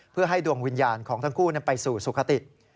เพื่อให้ดวงวิญญาณของทั้งคู่ไปสู่สุขติ